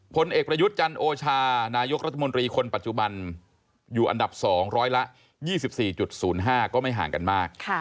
ผลเอกประยุทธ์จันโอชานายกรัฐมนตรีคนปัจจุบันอยู่อันดับ๒ร้อยละ๒๔๐๕ก็ไม่ห่างกันมาก